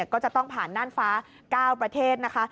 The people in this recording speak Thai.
ก็จะต้องผ่านน่านฟ้า๙ประเทศนะคะ